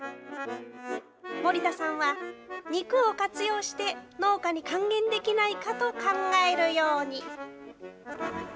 森田さんは、肉を活用して、農家に還元できないかと考えるように。